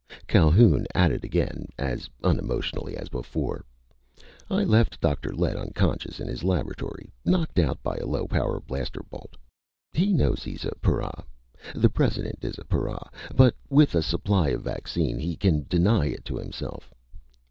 Calhoun added again, as unemotionally as before: "I left Dr. Lett unconscious in his laboratory, knocked out by a low power blaster bolt. He knows he's a para. The President is a para, but with a supply of 'vaccine' he can deny it to himself.